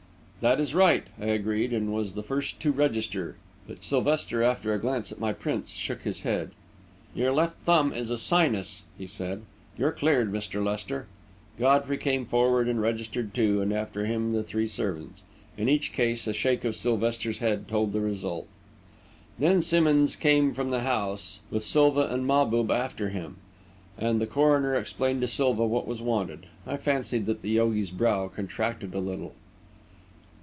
"That is right," I agreed, and was the first to register; but Sylvester, after a glance at my prints, shook his head. "Your thumb is a left sinus," he said. "You're cleared, Mr. Lester." Godfrey came forward and registered, too, and after him the three servants. In each case, a shake of Sylvester's head told the result. Then Simmonds came from the house, with Silva and Mahbub after him, and the coroner explained to Silva what was wanted. I fancied that the yogi's brow contracted a little.